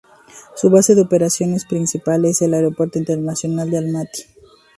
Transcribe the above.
Su base de operaciones principal es el Aeropuerto Internacional de Almaty.